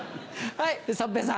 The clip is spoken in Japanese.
はい。